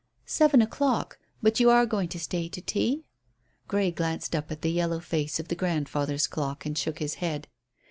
"Seven o'clock. But you are going to stay to tea?" Grey glanced up at the yellow face of the grandfather's clock and shook his head.